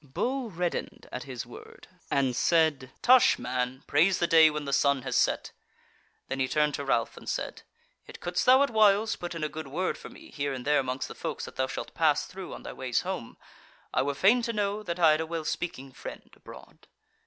Bull reddened at his word, and said: "Tush, man! praise the day when the sun has set." Then he turned to Ralph, and said: "Yet couldst thou at whiles put in a good word for me here and there amongst the folks that thou shalt pass through on thy ways home, I were fain to know that I had a well speaking friend abroad."